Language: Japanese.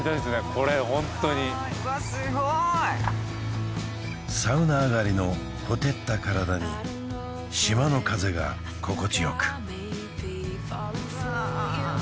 これホントにわっすごーいサウナ上がりのほてった体に島の風が心地よくうわ